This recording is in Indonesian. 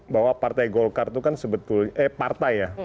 bahwa partai golkar itu kan sebetulnya eh partai ya